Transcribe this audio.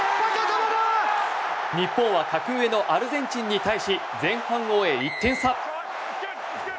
日本は格上のアルゼンチンに対し前半を終え一点差。